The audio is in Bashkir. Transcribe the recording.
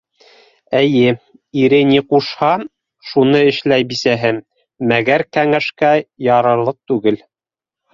Эйе, ире ни ҡушһа, шуны эшләй бисәһе, мәгәр кәңәшкә ярарлыҡ түгел.